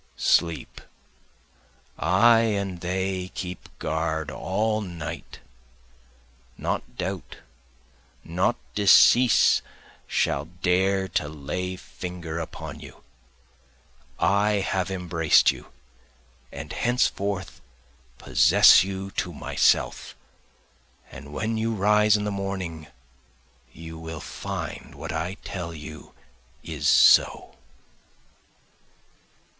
Sleep I and they keep guard all night, Not doubt, not decease shall dare to lay finger upon you, I have embraced you, and henceforth possess you to myself, And when you rise in the morning you will find what I tell you is so.